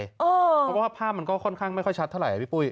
เพราะว่าภาพมันก็ค่อนข้างไม่ค่อยชัดเท่าไหร่พี่ปุ้ย